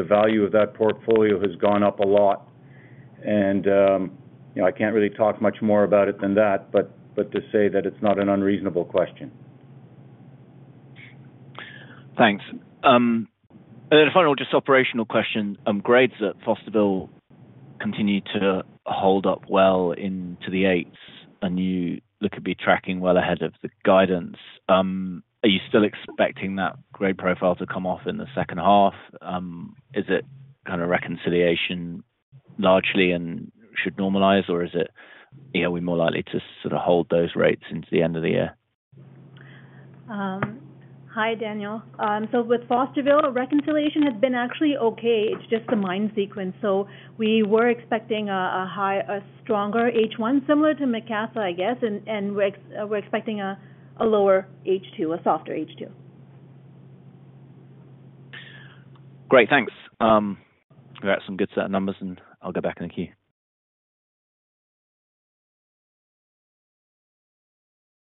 value of that portfolio has gone up a lot. And I can't really talk much more about it than that, but to say that it's not an unreasonable question. Thanks. And then final, just operational question. Grades at Fosterville continue to hold up well into the 8s, and you look to be tracking well ahead of the guidance. Are you still expecting that grade profile to come off in the second half? Is it kind of reconciliation largely and should normalize? Or is it we're more likely to sort of hold those rates into the end of the year? Hi, Daniel. So with Fosterville, reconciliation has been actually okay. It's just the mine sequence. So we were expecting a high a stronger H1 similar to Macassa, I guess, and we're expecting a lower H2, a softer H2. Great, thanks. We've got some good set of numbers, and I'll get back in the queue.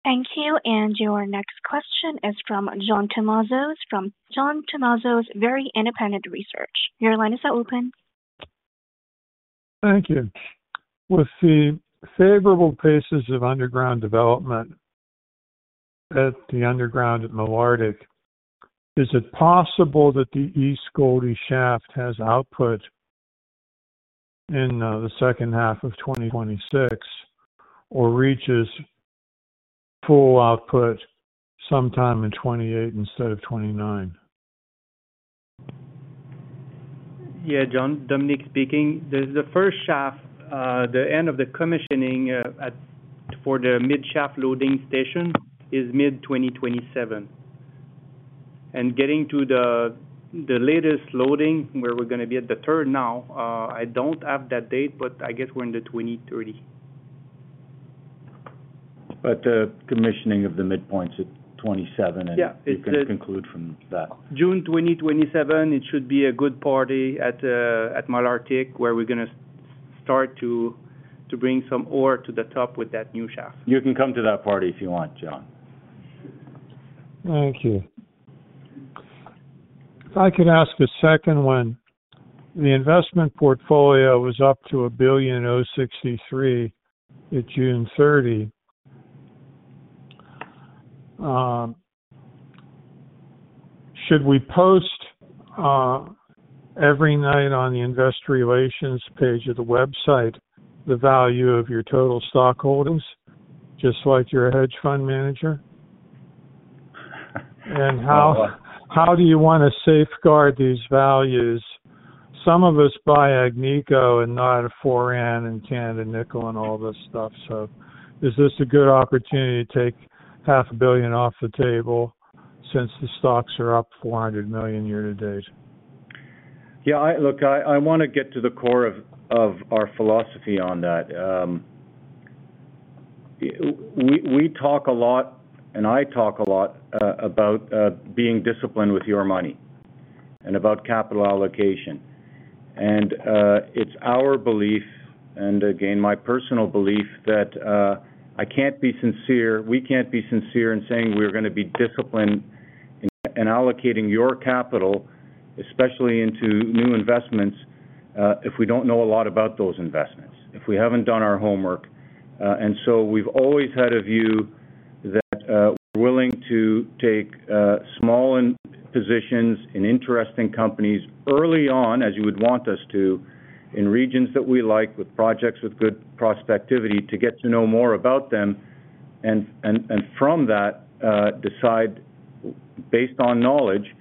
Thank you. And your next question is from John Tumazos from John Tumazos Very Independent Research. Your line is now open. Thank you. With the favorable cases of underground development at the underground at Malartic, is it possible that the East Gouldie shaft has output in the 2026 or reaches full output sometime in 'twenty eight instead of 'twenty nine? Yeah John, Dominic speaking. The first shaft, the end of the commissioning for the mid shaft loading station is mid-twenty twenty seven. And getting to the latest loading where we're going be at the turn now, I don't have that date but I guess we're in the 02/1930. But commissioning of the midpoint is at '27 and June you can conclude from 2027, it should be a good party at Malartic where we're going to start to bring some ore to the top with that new shaft. You can come to that party if you want, John. Thank you. If I could ask a second one. The investment portfolio was up to $1.063 at June 30. Should we post every night on the Investor Relations page of the website the value of your total stock holdings, just like you're a hedge fund manager? And how do you want to safeguard these values? Some of us buy Agnico and not a forehand and Canada nickel and all this stuff. Is this a good opportunity to take $05,000,000,000 off the table since the stocks are up $400,000,000 year to date? Yes, look, I want to get to the core of our philosophy on that. We talk a lot and I talk a lot, about being disciplined with your money and about capital allocation, and it's our belief, and again my personal belief, that I can't be sincere, we can't be sincere in saying we're going to be disciplined in allocating your capital, especially into new investments, if we don't know a lot about those investments, if we haven't done our homework. And so we've always had a view that we're willing to take small positions in interesting companies early on as you would want us to in regions that we like with projects with good prospectivity to get to know more about them, and from that, decide based on knowledge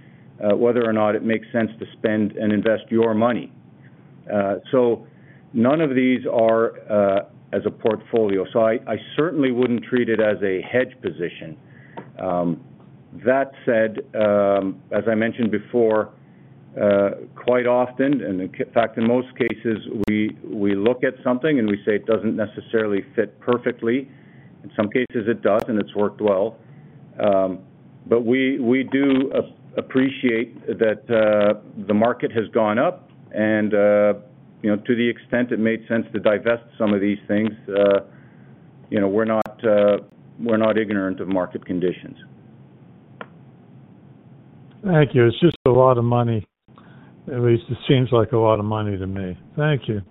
whether or not it makes sense to spend and invest your money. So none of these are as a portfolio. So, I certainly wouldn't treat it as a hedge position. That said, as I mentioned before, quite often and in fact in most cases, we look at something and we say it doesn't necessarily fit perfectly. In some cases it does and it's worked well. But we do appreciate that the market has gone up and to the extent it made sense to divest some of these things, we're not ignorant of market conditions. Thank you. It's just a lot of money. At least it seems like a lot of money to me. Thank you.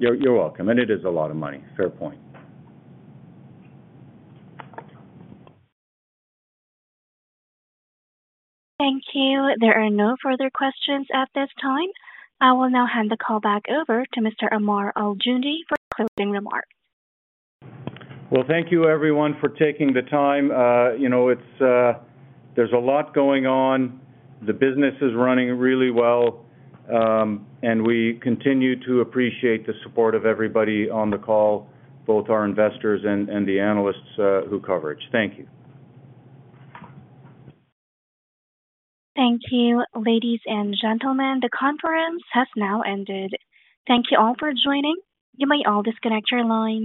You're welcome. And it is a lot of money. Fair point. Thank you. There are no further questions at this time. I will now hand the call back over to Mr. Amar Aljundi for closing remarks. Well, thank you everyone for taking the time. There's a lot going on. The business is running really well and we continue to appreciate the support of everybody on the call, both our investors and the analysts who coverage. Thank you. Thank you. Ladies and gentlemen, the conference has now ended. Thank you all for joining. You may all disconnect your lines.